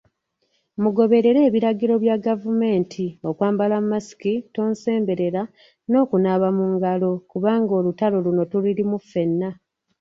Mugoberere ebiragiro bya gavumenti okwambala mask, tonsemberera n'okunaaba mungalo kubanga olutalo luno tululimu fenna.